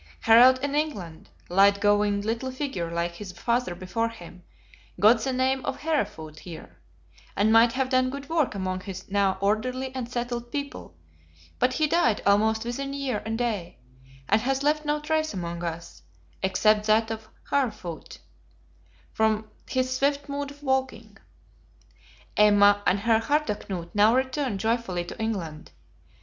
Harald in England, light going little figure like his father before him, got the name of Harefoot here; and might have done good work among his now orderly and settled people; but he died almost within year and day; and has left no trace among us, except that of "Harefoot," from his swift mode of walking. Emma and her Harda Knut now returned joyful to England.